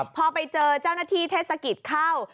พอไปเจอเจ้าหน้าที่เทศกิจเข้า